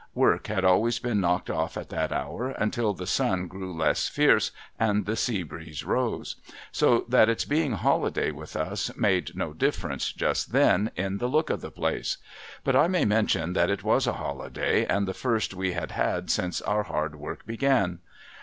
AA'ork had always been knocked off at that hour, until the sun grew less fierce, and the sea breeze rose ; so that its being holiday with us, made no differ ence, just then, in the look of the place. But I may mention that it was a holiday, and the first we had had since our hard work began.